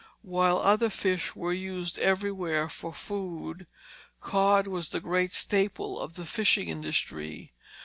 While other fish were used everywhere for food, cod was the great staple of the fishing industry.